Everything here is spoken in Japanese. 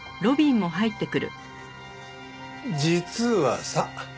実はさ